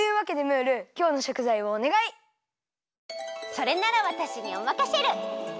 それならわたしにおまかシェル！